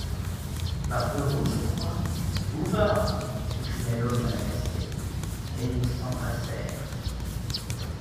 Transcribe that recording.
Barberou, je crois ? Bouvard ! s'écria l'homme à la casquette, et ils s'embrassèrent.